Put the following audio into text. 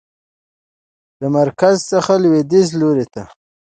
د مرکز څخه لویدیځ لورته